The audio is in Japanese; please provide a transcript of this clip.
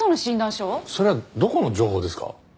それはどこの情報ですか？